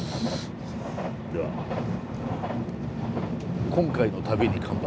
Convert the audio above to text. では今回の旅に乾杯。